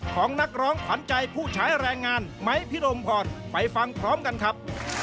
ของนักร้องขวัญใจผู้ใช้แรงงานไม้พิรมพรไปฟังพร้อมกันครับ